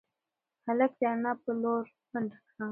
هلک د انا په لور منډه کړه.